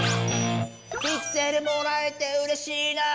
「ピクセルもらえてうれしいな」